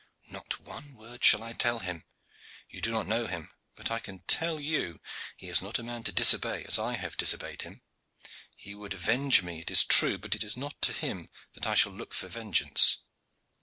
"Not one word shall I tell him. You do not know him; but I can tell you he is not a man to disobey as I have disobeyed him. He would avenge me, it is true, but it is not to him that I shall look for vengeance.